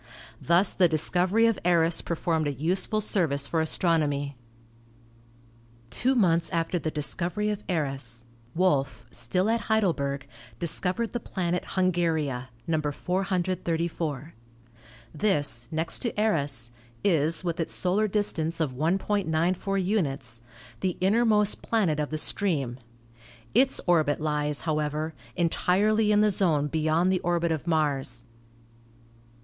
Thus the dis covery of Eros performed a useful service for astronomy. Two months after the discovery of Eros, Wolf, still at THE PLANETOIDS 225 Heidelberg, discovered the planet Hungaria (No. 434). This, next to Eros, is, with its solar distance of 1.94 units, the innermost planet of the stream. Its orbit lies, how ever, entirely in the zone beyond the orbit of Mars.